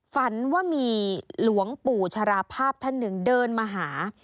ฝันว่ามีหลวงปู่ชราภาพท่านหนึ่งเดินมาหา